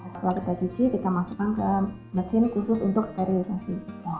setelah kita cuci kita masukkan ke mesin khusus untuk sterilisasi